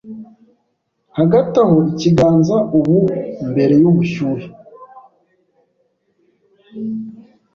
Hagati aho ikiganza ubu mbere yubushyuhe